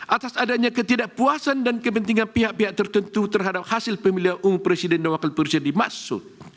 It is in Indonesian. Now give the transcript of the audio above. atas adanya ketidakpuasan dan kepentingan pihak pihak tertentu terhadap hasil pemilihan umum presiden dan wakil presiden dimaksud